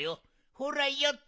ほらよっと！